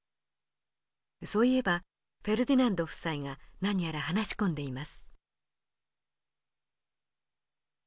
そういえばフェルディナンド夫妻が何やら話し込んでいます。